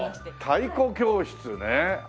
太鼓教室ね。